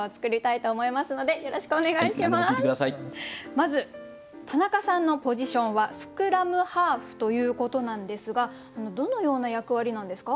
まず田中さんのポジションはスクラムハーフということなんですがどのような役割なんですか？